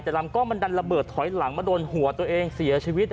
แต่ลำกล้องมันดันระเบิดถอยหลังมาโดนหัวตัวเองเสียชีวิต